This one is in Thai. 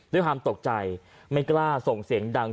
ด้วยความตกใจไม่กล้าส่งเสียงดัง